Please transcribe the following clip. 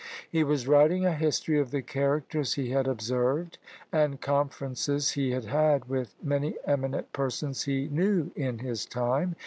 He was writing a history of the characters he had observed, and conferences he had had with many eminent persons he knew in his time.